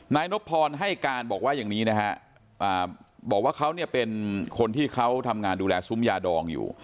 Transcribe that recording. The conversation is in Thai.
นายนบพรให้การบอกว่าอย่างนี้นะฮะบอกว่าเขาเนี่ยเป็นคนที่เขาทำงานดูแลซุ้มยาดองอยู่